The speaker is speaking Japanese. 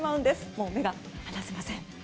もう目が離せません。